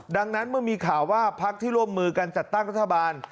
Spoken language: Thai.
ดังนั้นเมื่อมีข่าวว่าพักที่ร่วมมือกันจัดตั้งรัฐบาล